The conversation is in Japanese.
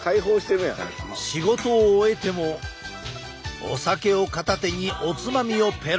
仕事を終えてもお酒を片手におつまみをペロリ。